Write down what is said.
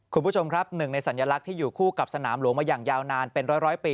คุณผู้ชมครับหนึ่งในสัญลักษณ์ที่อยู่คู่กับสนามหลวงมาอย่างยาวนานเป็นร้อยปี